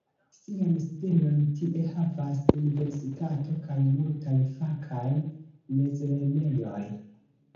Sian sidejon tie havas Universitato kaj multaj fakaj mezlernejoj.